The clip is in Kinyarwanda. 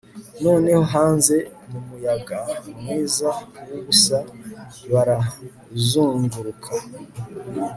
noneho hanze mumuyaga mwiza wubusa barazunguruka